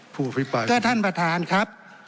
ก็ท่านประทานครับ